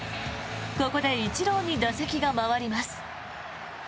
ここでイチローに打席が回ります。